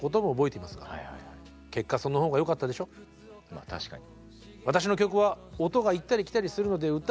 まあ確かに。